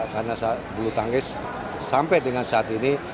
karena bulu tangkis sampai dengan saat ini